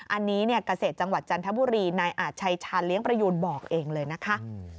อันนี้เกษตรจังหวัดจันทบุรีนายอาจชัยชาญเลี้ยงประยูนบอกเองเลยนะคะ